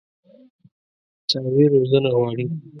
څاروي روزنه غواړي.